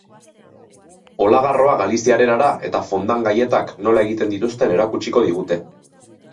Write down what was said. Olagarroa galiziar erara eta fondant gailetak nola egiten dituzten erakutsiko digute.